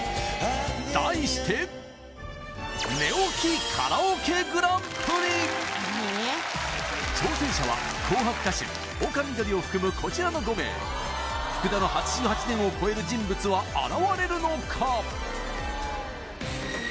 題して挑戦者は紅白歌手・丘みどりを含むこちらの５名福田の８８点を超える人物は現れるのか？